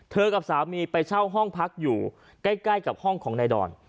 กับสามีไปเช่าห้องพักอยู่ใกล้กับห้องของนายดอน